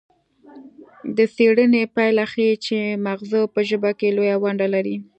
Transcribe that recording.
د څیړنې پایله ښيي چې مغزه په ژبه کې لویه ونډه لري